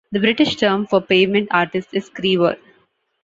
The British term for pavement artist is "screever".